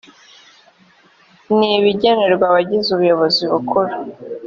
n ibigenerwa abagize ubuyobozi bukuru